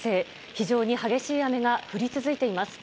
非常に激しい雨が降り続いています。